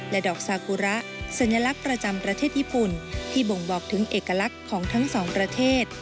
ดอกซากุระสัญลักษณ์ประจำประเทศญี่ปุ่นที่บ่งบอกถึงเอกลักษณ์ของทั้งสองประเทศ